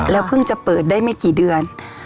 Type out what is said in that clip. เพิ่งจะเปิดได้ไม่กี่เดือน